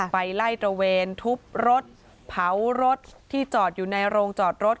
ไปไล่ตระเวนทุบรถเผารถที่จอดอยู่ในโรงจอดรถ